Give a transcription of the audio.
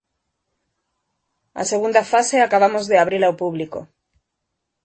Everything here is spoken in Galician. A segunda fase acabamos de abrila ao público.